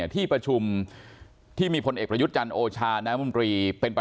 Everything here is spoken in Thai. ที่ประชุมที่มีพลเอกประยุทธ์จันทร์โอชาน้ำมนตรีเป็นประ